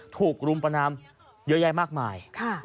ถูกรุมประนามเยอะแยะมากมาย